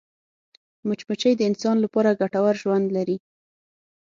مچمچۍ د انسان لپاره ګټور ژوند لري